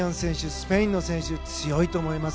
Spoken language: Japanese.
スペインの選手強いと思います。